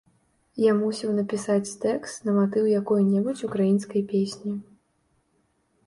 Я мусіў напісаць тэкст на матыў якой-небудзь украінскай песні.